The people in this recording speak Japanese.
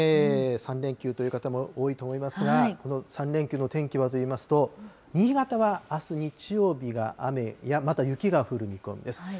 ３連休という方も多いと思いますが、この３連休の天気はといいますと、新潟はあす日曜日が雨、また雪が降る見込みです。